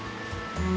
うん。